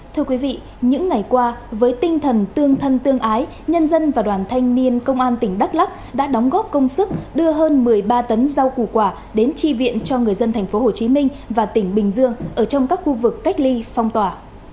thưa quý vị những ngày qua với tinh thần tương thân tương ái nhân dân và đoàn thanh niên công an tỉnh đắk lắc đã đóng góp công sức đưa hơn một mươi ba tấn rau củ quả đến tri viện cho người dân tp hcm và tỉnh bình dương ở trong các khu vực cách ly phong tỏa